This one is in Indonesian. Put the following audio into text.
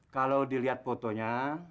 kalau dilihat fotonya